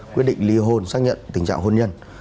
quyết định ly hôn xác nhận tình trạng hôn nhân